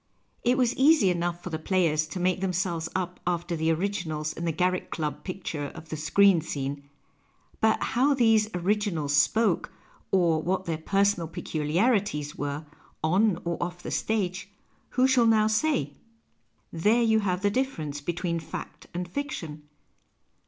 It was easy enough for the players to make them selves up after the originals in the Garriek Club picture of the screen scene, but how these originals spoke or what their personal peculiarities were, on or off the stage, who shall now say ? There you have the difference between fact and fiction.